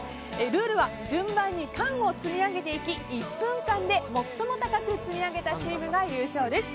ルールは順番に缶を積み上げていき１分間で最も高く積み上げたチームが優勝です。